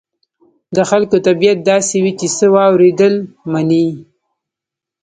د خلکو طبيعت داسې وي چې څه واورېدل مني.